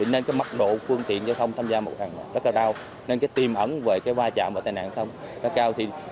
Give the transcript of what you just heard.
nên mắc độ phương tiện giao thông tham gia rất là cao nên tìm ẩn về vai trạm và tai nạn rất cao